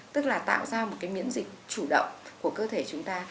tức là tạo ra một cái miễn dịch chủ động của cơ thể chúng ta